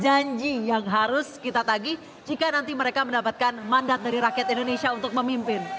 janji yang harus kita tagih jika nanti mereka mendapatkan mandat dari rakyat indonesia untuk memimpin